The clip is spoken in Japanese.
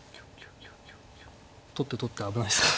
取って取って危ないですか。